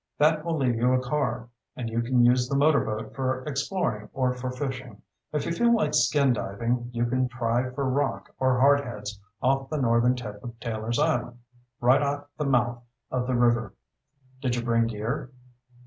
That will leave you a car, and you can use the motorboat for exploring or for fishing. If you feel like skin diving, you can try for rock or hardheads off the northern tip of Taylors Island, right at the mouth of the river. Did you bring gear?"